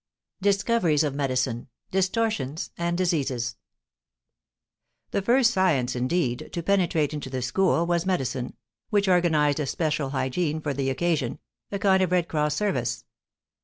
=Discoveries of medicine: distortions and diseases=. The first science, indeed, to penetrate into the school was medicine, which organized a special hygiene for the occasion, a kind of Red Cross service.